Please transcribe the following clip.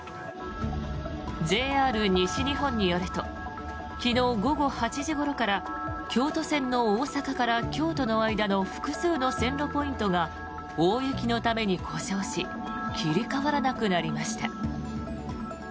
ＪＲ西日本によると昨日午後８時ごろから京都線の大阪から京都の間の複数の線路ポイントが大雪のために故障し切り替わらなくなりました。